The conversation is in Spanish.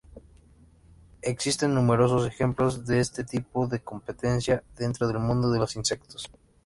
Existen numerosos ejemplos de este tipo de competencia dentro del mundo de los insectos.